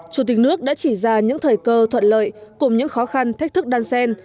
chủ tịch nước đã chỉ ra những thời cơ thuận lợi cùng những khó khăn thách thức đan sen